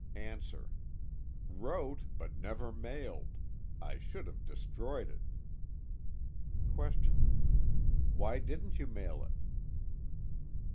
ANSWER: Wrote but never mailed. I should have destroyed it. QUESTION: Why didn't you mail it?